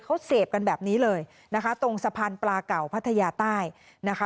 เขาเสพกันแบบนี้เลยนะคะตรงสะพานปลาเก่าพัทยาใต้นะคะ